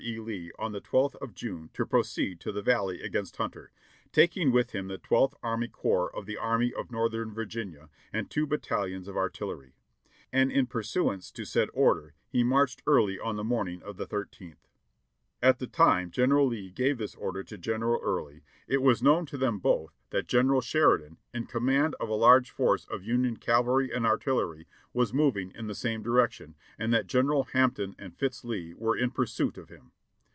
E. Lee on the 12th of June to pro ceed to the Valley against Hunter, taking with him the 12th Army Corps of the Army of Northern Virginia and two battal'ons of ar DISASTER AND DEFEAT IN THE VALLEY 657 tillery; and in pursuance to said order he marched early on the morning of the 13th. "At the time General Lee gave this order to General Early it was known to them both that General Sheridan, in command of a large force of Union cavalry and artillery, was moving in the same direc tion, and that General Hampton and Fitz Lee were in pursuit of him.